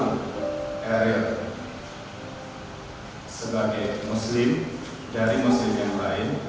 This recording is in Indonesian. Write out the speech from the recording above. dan meminta rl sebagai muslim dari muslim yang lain